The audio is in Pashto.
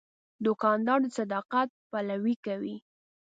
دوکاندار د صداقت پلوي کوي.